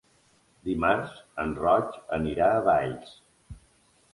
Dimarts en Roc anirà a Valls.